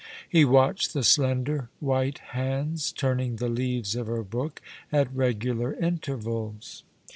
He watched the slender, white hands turning the leaves of her book at regular intervals.